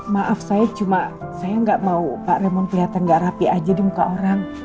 maaf saya cuma saya nggak mau pak remon kelihatan nggak rapi aja di muka orang